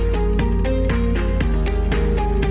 กลับมาที่นี่